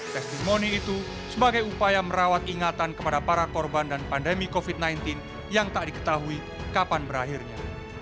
testimoni itu sebagai upaya merawat ingatan kepada para korban dan pandemi covid sembilan belas yang tak diketahui kapan berakhirnya